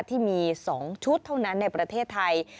ที่มี๒ชุดเท่านั้นในประเทศไทย